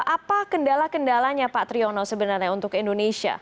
apa kendala kendalanya pak triyono sebenarnya untuk indonesia